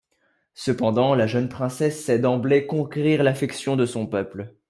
Cependant, la jeune princesse sait d'emblée conquérir l'affection de son peuple.